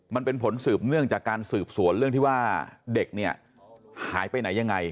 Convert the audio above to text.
มันเป็นผลสืบเนื่องจากการสืบสวนเรื่องที่ว่าเด็กเนี่ยหายไปไหนยังไง